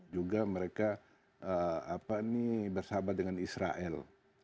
juga mereka bersahabat dengan israel